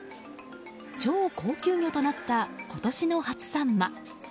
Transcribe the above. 超高級魚となった今年の初サンマ。